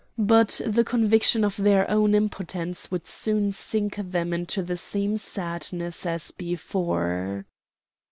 But the conviction of their own impotence would soon sink them into the same sadness as before.